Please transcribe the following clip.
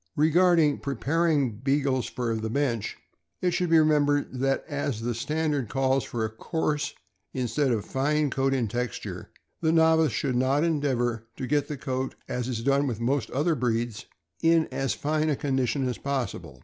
Regarding preparing Beagles for the bench, it should be remembered that as the standard calls for a coarse instead of a fine coat, in texture, the novice should not endeavor to get the coat, as is done with most breeds, in as fine a condi tion as possible.